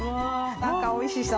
何かおいしそう。